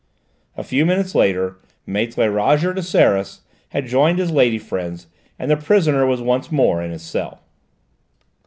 A few minutes later Maître Roger de Seras had rejoined his lady friends, and the prisoner was once more in his cell.